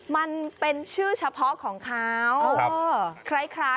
มันเป็นชื่อเฉพาะของเขา